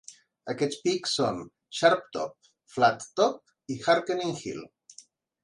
Aquests pics són Sharp Top, Flat Top i Harkening Hill.